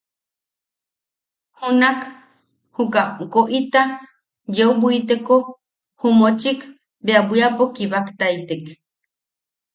Junak juka woʼita yeu bwiteko ju mochik bea bwiapo kibaktaitek.